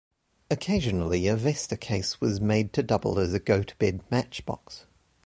Occasionally a vesta case was made to double as a go-to-bed matchbox.